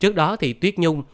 trước đó thì tuyết nhung